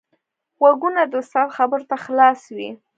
غوږونه د استاد خبرو ته خلاص وي